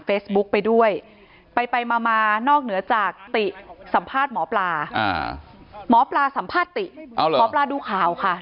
เฟสบุ๊คไปด้วยไปไปมามานอกเหนือจากติสัมภาษณ์มอปลาหมอปลาสัมภาษณ์ติก็ลองดูข่าวค่ะ